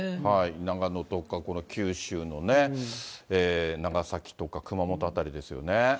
長野とか九州のね、長崎とか熊本辺りですよね。